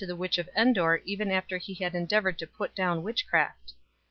the witch of En dor even after he had endeavoured to put down witchcraft.